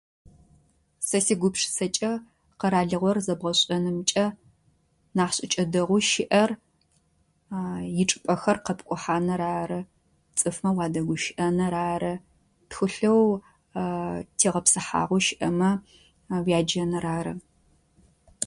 Сэ сигупшысэкӏэ къэралыгъор зэбгъэшӏэнымкӏэ нахь шъыкӏэ дэгъу щыӏэр ичӏыпӏэхэр къэпкӏохьаныр ары. Цӏыфмэ уадэгущыӏэныр ары. Тхылъэу тегъапсыхьагъэу щыӏэмэ уяджэныр ары.